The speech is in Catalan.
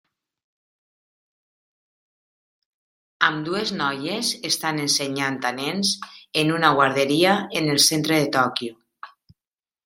Ambdues noies estan ensenyant a nens en una guarderia en el centre de Tòquio.